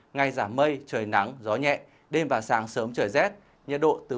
ngay giảm mây trời nắng gió nhẹ đêm và sáng sớm trời rét nhiệt độ từ một mươi tám hai mươi năm độ